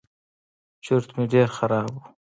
چورت مې ډېر خراب و.